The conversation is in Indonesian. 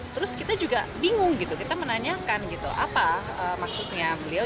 terus kita juga bingung gitu kita menanyakan gitu apa maksudnya beliau